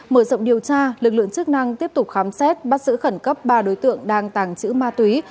mở rộng điều tra lực lượng chức năng tiếp tục khám xét bắt giữ khẩn cấp ba đối tượng đang tàng trữ ma túy